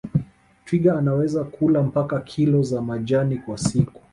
Twiga anaweza kula mpaka kilo za majani kwa siku